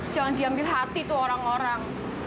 jangan diambil hati tuh orang orang